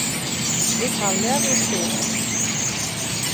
Ik ha leaver fisk.